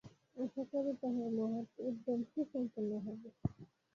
আশা করি তাঁহার মহৎ উদ্যম সুসম্পন্ন হবে।